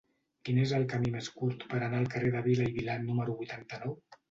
Quin és el camí més curt per anar al carrer de Vila i Vilà número vuitanta-nou?